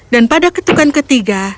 dan pada ketukan ketiga